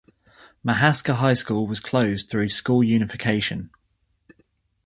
Mahaska High School was closed through school unification.